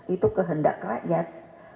itu kehendak rakyat